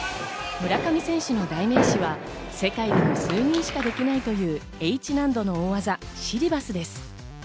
村上選手の代名詞は世界でも数人しかできないというＨ難度の大技、シリバスです。